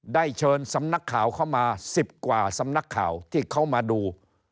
ได้เชิญสำนักข่าวเข้ามา๑๐กว่าสำนักข่าวที่เขามาดู